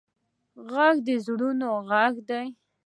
غږ د زړونو غږ دی